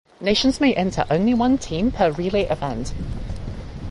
Nations may enter only one team per relay event.